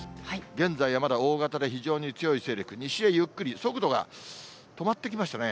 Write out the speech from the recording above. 現在はまだ大型で、非常に非常に強い勢力、西へゆっくり、速度が止まってきましたね。